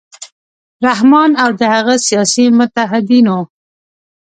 رحمان او د هغه سیاسي متحدینو